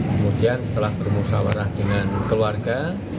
kemudian setelah bermusawarah dengan keluarga